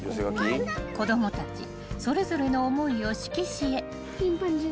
［子供たちそれぞれの思いを色紙へ］